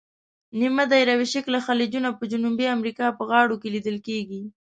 نیمه دایروي شکله خلیجونه په جنوبي امریکا په غاړو کې لیدل کیږي.